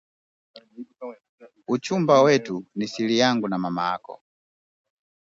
Uchumba wetu ni siri yangu na mamako